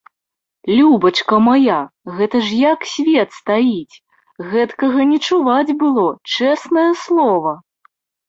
Любачка мая, гэта ж як свет стаіць, гэткага не чуваць было, чэснае слова.